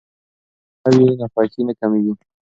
که میله وي نو خوښي نه کمېږي.